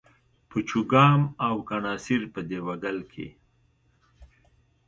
په چوګام او کڼاسېر په دېوه ګل کښي